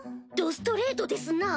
どストレートですなぁ。